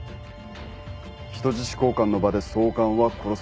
人質交換の場で総監は殺される。